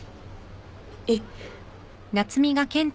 えっ？